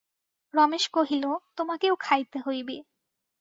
রমেশ কহিল, তোমাকেও খাইতে হইবে।